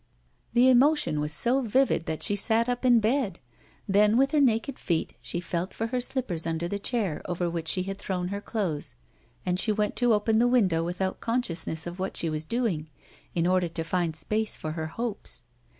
The emotion was so vivid that she sat up in the bed; then, with her naked feet, she felt for her slippers under the chair over which she had thrown her clothes, and she went to open the window without consciousness of what she was doing, in order to find space for her hopes.